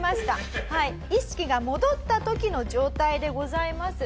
意識が戻った時の状態でございます。